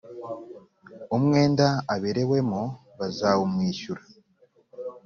umwenda aberewemo bazawumwishyura